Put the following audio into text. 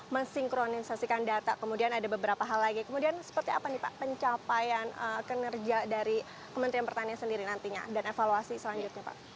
mensinkronisasikan data kemudian ada beberapa hal lagi kemudian seperti apa nih pak pencapaian kinerja dari kementerian pertanian sendiri nantinya dan evaluasi selanjutnya pak